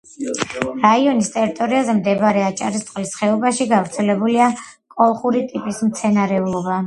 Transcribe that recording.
რაიონის ტერიტორიაზე მდინარე აჭარისწყლის ხეობაში გავრცელებულია კოლხური ტიპის მცენარეულობა.